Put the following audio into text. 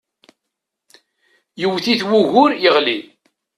Yewwet-it wugur yeɣli.